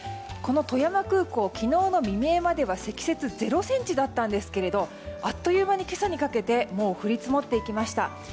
この富山空港、昨日の未明までは積雪０ｃｍだったんですけどあっという間に今朝にかけて降り積もっていきました。